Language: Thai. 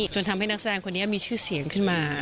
จนทำให้นักแสดงคนนี้มีชื่อเสียงขึ้นมา